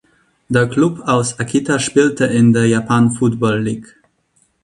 Der Klub aus Akita spielte in der Japan Football League.